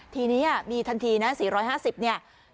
ทีนี้มีทันทีนะ๔๕๐เนี่ย